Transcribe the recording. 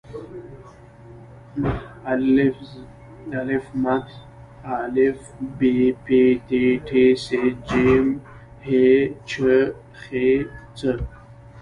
آا ب پ ت ټ ث ج ح چ خ څ